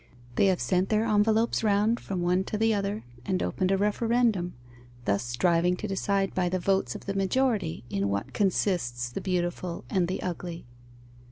They have sent their envelopes round from one to the other and opened a referendum, thus striving to decide by the votes of the majority in what consists the beautiful and the ugly.